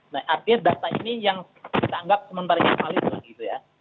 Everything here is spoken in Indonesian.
nah artinya data ini yang kita anggap sementara yang valid lah gitu ya